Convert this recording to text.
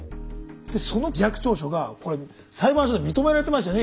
その自白調書が裁判所で認められてましたね